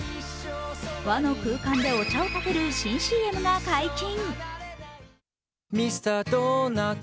和の空間でお茶をたてる新ＣＭが解禁。